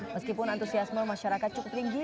meskipun antusiasme masyarakat cukup tinggi